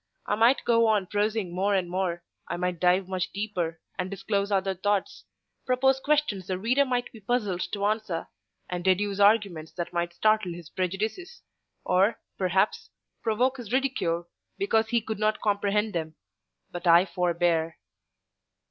I might go on prosing more and more, I might dive much deeper, and disclose other thoughts, propose questions the reader might be puzzled to answer, and deduce arguments that might startle his prejudices, or, perhaps, provoke his ridicule, because he could not comprehend them; but I forbear.